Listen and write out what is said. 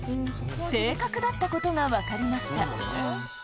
正確だったことが分かりました。